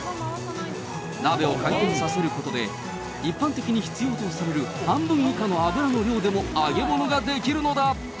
鍋を回転させることで、一般的に必要とされる半分以下の油の量でも揚げ物ができるのだ。